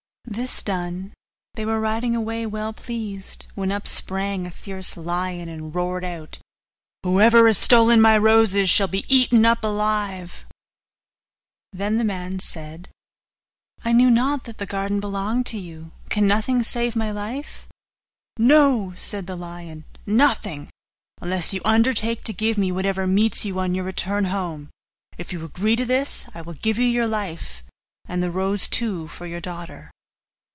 This done, they were riding away well pleased, when up sprang a fierce lion, and roared out, 'Whoever has stolen my roses shall be eaten up alive!' Then the man said, 'I knew not that the garden belonged to you; can nothing save my life?' 'No!' said the lion, 'nothing, unless you undertake to give me whatever meets you on your return home; if you agree to this, I will give you your life, and the rose too for your daughter.